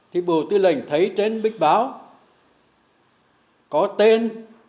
thì bộ tư lệnh thấy trên bích báo có tên